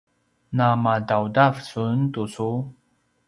namadaudav sun tucu?